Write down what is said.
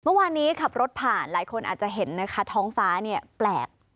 เมื่อวานนี้ขับรถผ่านหลายคนอาจจะเห็นนะคะท้องฟ้าเนี่ยแปลก